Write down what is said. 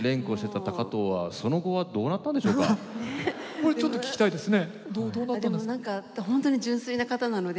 これちょっと聞きたいですね。